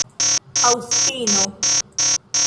aŭstino